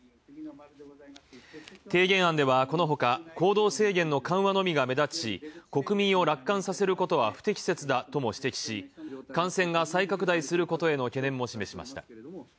提言案ではこのほか「行動制限の緩和のみが目立ち国民を楽観させることは不適切だ」とも指摘し、感染が再拡大することへの懸念も示しました。